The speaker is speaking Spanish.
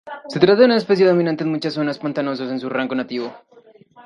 Se trata de una especie dominante en muchas zonas pantanosas en su rango nativo.